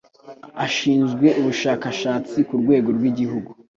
ashinzwe ubushakashatsi ku rwego rw'igihugu